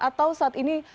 atau saat ini